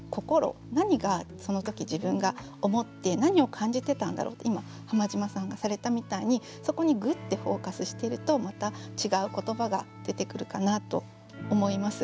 何がその時自分が思って何を感じてたんだろうって今浜島さんがされたみたいにそこにグッてフォーカスしてるとまた違う言葉が出てくるかなと思います。